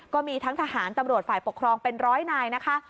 ก็มีทั้งทหารตำรวจฝ่ายปกครองเป็นร้อยนายนะคะ